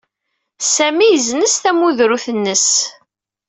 Sami yessenz tamudrut-nnes.